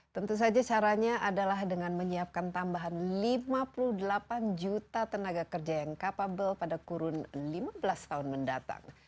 tentu saja caranya adalah dengan menyiapkan tambahan lima puluh delapan juta tenaga kerja yang capable pada kurun lima belas tahun mendatang